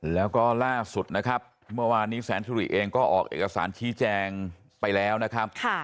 แล้วก็ล่าสุดนะครับเมื่อวานนี้แสนสุริเองก็ออกเอกสารชี้แจงไปแล้วนะครับ